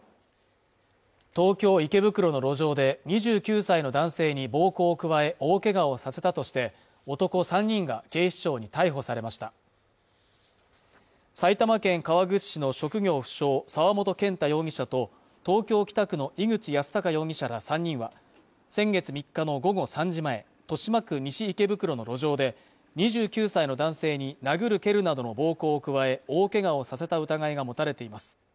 東京池袋の路上で２９歳の男性に暴行を加え大けがをさせたとして男３人が警視庁に逮捕されました埼玉県川口市の職業不詳沢本健太容疑者と東京北区の井口叶貴容疑者ら３人は先月３日の午後３時前豊島区西池袋の路上で２９歳の男性に殴る蹴るなどの暴行を加え大けがをさせた疑いが持たれています